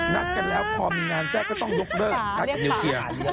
นัดกันแล้วพอมีงานแทรกก็ต้องยกเลิกนัดกับนิวเคลียร์